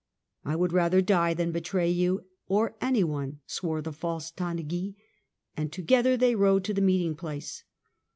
"I would rather die than betray you or any one," swore the false Tanneguy ; and together they rode to the meeting place.